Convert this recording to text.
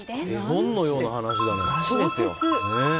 絵本のような話だね。